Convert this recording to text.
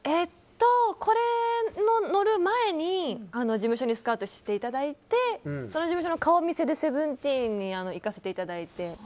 これの載る前に事務所にスカウトしていただいてその事務所の顔見せで「Ｓｅｖｅｎｔｅｅｎ」にいかせていただいて。